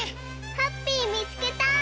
ハッピーみつけた！